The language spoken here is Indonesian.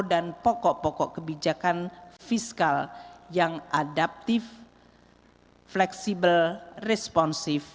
dan pokok pokok kebijakan fiskal yang adaptif fleksibel responsif